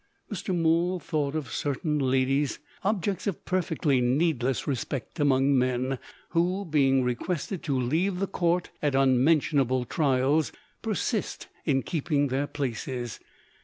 Mr. Mool thought of certain "ladies" (objects of perfectly needless respect among men) who, being requested to leave the Court, at unmentionable Trials, persist in keeping their places.